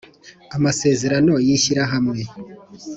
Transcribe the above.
amasezerano y’shyirahamwe.